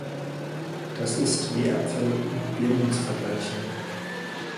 Das ist wie Äpfel mit Birnen zu vergleichen.